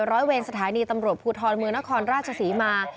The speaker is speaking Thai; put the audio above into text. ร้อยเวรสถานีตำรวจภูทรเมืองนครราชศรีมา